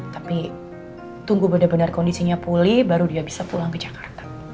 tapi tunggu benar benar kondisinya pulih baru dia bisa pulang ke jakarta